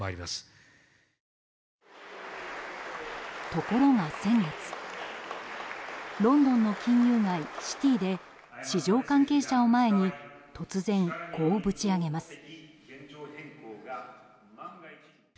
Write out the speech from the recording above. ところが先月ロンドンの金融街シティーで市場関係者を前に突然、こうぶち上げます。